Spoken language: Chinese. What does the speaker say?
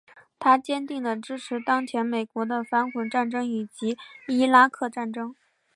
他坚定的支持当前美国的反恐战争以及伊拉克战争。